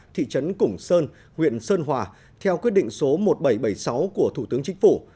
thị trấn củng sơn huyện sơn hòa theo quyết định số một nghìn bảy trăm bảy mươi sáu của thủ tướng chính phủ